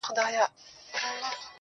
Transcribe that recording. راسه يوار راسه صرف يوه دانه خولگۍ راكړه.